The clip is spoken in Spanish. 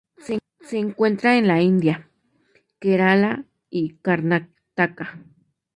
Se encuentra en la India: Kerala y Karnataka.